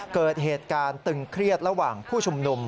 เกิดเหตุการณ์ตึงเครียดระหว่างผู้ชุมนุม